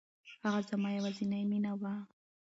هغه زما يوازينی مینه وه.